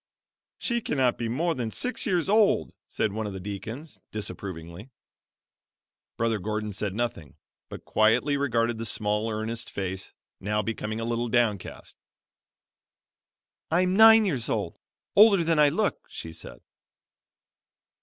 "She cannot be more than six years old," said one of the deacons, disapp rovingly. Brother Gordon said nothing, but quietly regarded the small, earnest face, now becoming a little downcast. "I am nine years old; older than I look," she said.